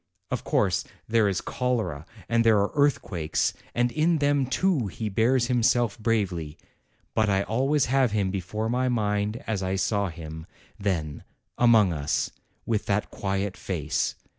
Of course, there is cholera and there are earth quakes; and in them, too, he bears himself bravely; but I always have him before my mind as I saw him KING UMBERTO 209 then, among us, with that quiet face.